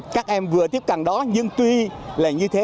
các em vừa tiếp cận đó nhưng tuy là như thế